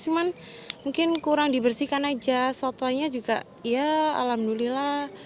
cuma mungkin kurang dibersihkan saja satwanya juga ya alhamdulillah